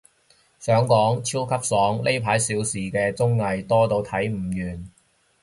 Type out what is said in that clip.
想講，超級爽，呢排少時啲綜藝，多到睇唔完